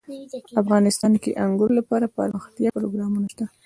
افغانستان کې د انګور لپاره دپرمختیا پروګرامونه شته.